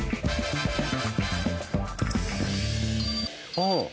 ああ！